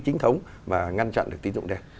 chính thống và ngăn chặn được tín dụng đen